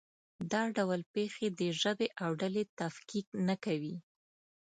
دا ډول پېښې د ژبې او ډلې تفکیک نه کوي.